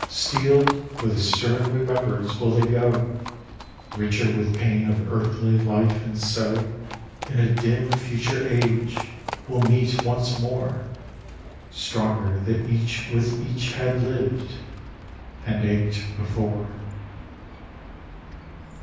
Steeled with the stern remembrance will they go, Richer with pain of earthly life, and so, In a dim, future age, will meet once more, Stronger that each with each had lived and ached before.